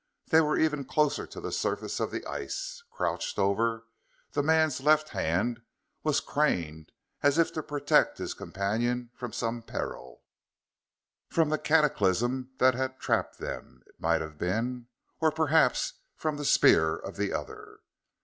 They were even closer to the surface of the ice. Crouched over, the man's left hand was craned as if to protect his companion from some peril from the cataclysm that had trapped them, it might have been. Or perhaps from the spear of the other.